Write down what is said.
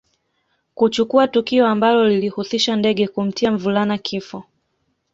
Kuchukua tukio ambalo lilihusisha ndege kumtia mvulana kifo